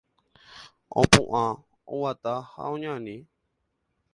Opu'ã, oguata ha oñani.